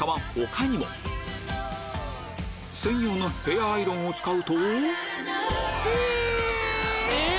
専用のヘアアイロンを使うとえ！